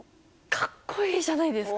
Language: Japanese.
かっこいいじゃないですか！